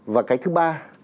và cái thứ ba